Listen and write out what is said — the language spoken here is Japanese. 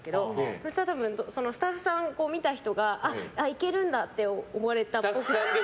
そうしたらスタッフさん見た人があ、いけるんだって思われたっぽくて。